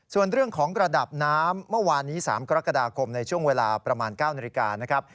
ส่วนเรื่องของระดับน้ำเมื่อวานนี้๓กรกฎาคมในช่วงเวลาประมาณ๙นาฬิกานะครับ